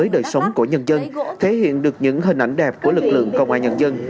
đời sống của nhân dân thể hiện được những hình ảnh đẹp của lực lượng công an nhân dân